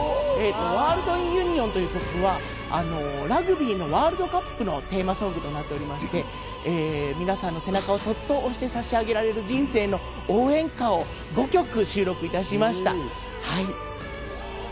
『Ｗｏｒｌｄｉｎｕｎｉｏｎ』といった曲はラグビーのワールドカップのテーマソングとなっておりまして、皆さんの背中をそっと押して差し上げられる人生の応援歌を５曲収録いたしました。